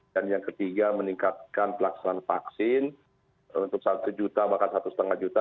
dan yang ketiga meningkatkan pelaksanaan vaksin untuk satu juta bahkan satu lima juta